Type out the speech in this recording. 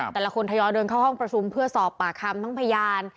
แต่ละคนทยอยเดินเข้าห้องประชุมเพื่อสอบปากคำทั้งพยาน